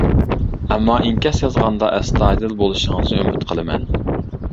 ئەمما ئىنكاس يازغاندا ئەستايىدىل بولۇشىڭىزنى ئۈمىد قىلىمەن.